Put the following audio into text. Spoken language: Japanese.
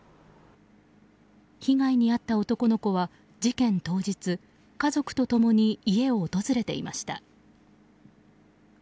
被害に遭った男の子は事件当日、家族と共に家を訪れていました。